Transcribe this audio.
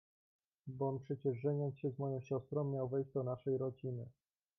"Bo on przecież żeniąc się z moją siostrą, miał wejść do naszej rodziny."